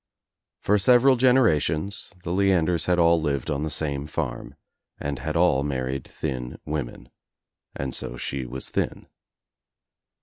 For several generations the Leanders had all lived on the same farm and had all married thin women, and so she was thin.